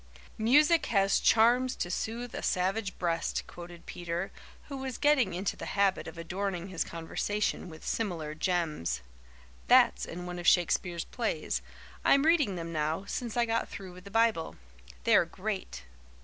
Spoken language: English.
"'Music has charms to soothe a savage breast,'" quoted Peter, who was getting into the habit of adorning his conversation with similar gems. "That's in one of Shakespeare's plays. I'm reading them now, since I got through with the Bible. They're great."